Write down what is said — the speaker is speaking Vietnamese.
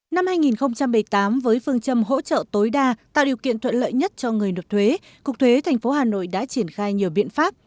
năm hai nghìn một mươi tám với phương châm hỗ trợ tối đa tạo điều kiện thuận lợi nhất cho người nộp thuế cục thuế tp hà nội đã triển khai nhiều biện pháp